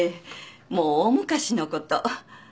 もう大昔のこと。